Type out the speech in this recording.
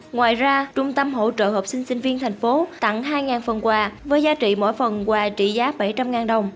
ngoài ra trung tâm hỗ trợ học sinh sinh viên thành phố tặng hai phần quà với giá trị mỗi phần quà trị giá bảy trăm linh đồng